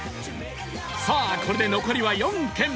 さあこれで残りは４軒